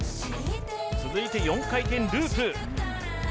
続いて４回転ループ。